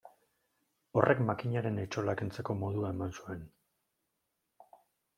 Horrek makinaren etxola kentzeko modua eman zuen.